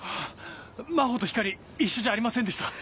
真帆と光莉一緒じゃありませんでした？